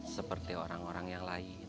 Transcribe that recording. seperti orang orang yang lain